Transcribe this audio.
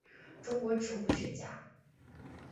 中国植物学家。